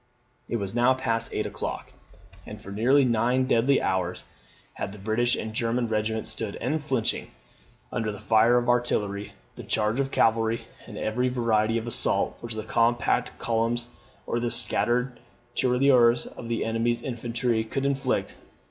It was now past eight o'clock, and for nearly nine deadly hours had the British and German regiments stood unflinching under the fire of artillery, the charge of cavalry, and every variety of assault, which the compact columns or the scattered tirailleurs of the enemy's infantry could inflict.